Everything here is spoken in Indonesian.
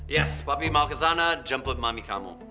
yes papi mau ke sana jemput mami kamu